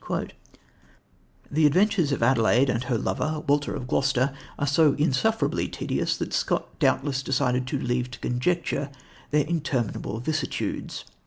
The adventures of Adelaide and her lover, Walter of Gloucester, are so insufferably tedious that Scott doubtless decided to "leave to conjecture" their interminable vicissitudes.